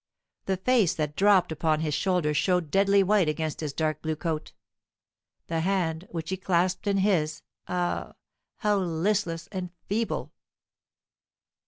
The face that dropped upon his shoulder showed deadly white against his dark blue coat; the hand which he clasped in his, ah, how listless and feeble!